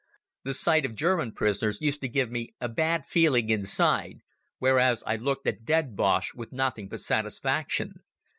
The sight of German prisoners used to give me a bad feeling inside, whereas I looked at dead Boches with nothing but satisfaction.